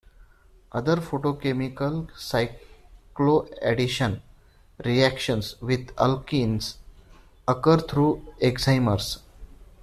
Other photochemical cycloaddition reactions with alkenes occur through excimers.